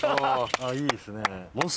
あっいいですね。